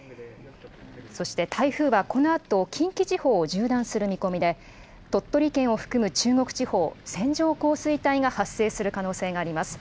そして台風はこのあと近畿地方を縦断する見込みで、鳥取県を含む中国地方、線状降水帯が発生する可能性があります。